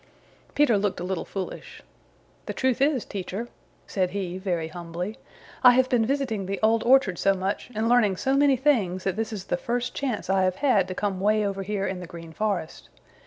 Peter looked a little foolish. "The truth is, Teacher," said he very humbly, "I have been visiting the Old Orchard so much and learning so many things that this is the first chance I have had to come 'way over here in the Green Forest.